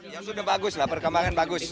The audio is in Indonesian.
yang sudah bagus lah perkembangan bagus